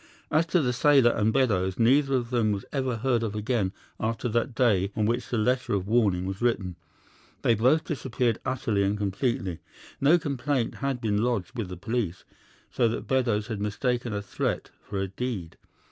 As to the sailor and Beddoes, neither of them was ever heard of again after that day on which the letter of warning was written. They both disappeared utterly and completely. No complaint had been lodged with the police, so that Beddoes had mistaken a threat for a deed.